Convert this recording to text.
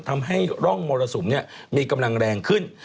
ทำให้ร่องมรสุมมีกำลังแรงขึ้น